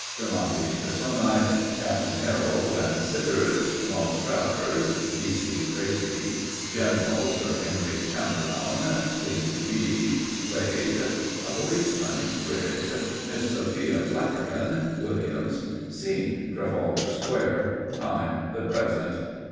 Dramatis Personæ. Captain Harold Vansittart Maltravers, V.C. Tracey. General Sir Henry Champernowne, K.C.B. Blades. A Policeman. Briggs. Miss Sophia Flapperkin. Williams. Scene: Trafalgar Square. Time: The Present.